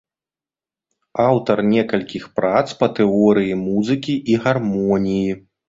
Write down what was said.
Аўтар некалькіх прац па тэорыі музыкі і гармоніі.